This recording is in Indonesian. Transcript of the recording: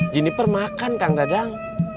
jeniper makan kang dadang